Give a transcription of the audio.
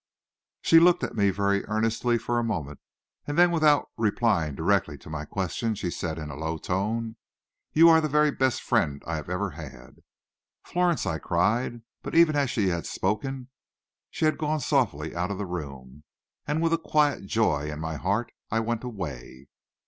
She looked at me very earnestly for a moment, and then without replying directly to my questions, she said in a low tone, "You are the very best friend I have ever had." "Florence!" I cried; but even as she had spoken, she had gone softly out of the room, and with a quiet joy in my heart, I went away.